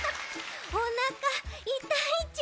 おなかいたいち。